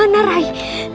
thank you raden